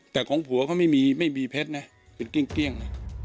แต่ของผัวเขาไม่มีเพชรนะเป็นเกรี้ยง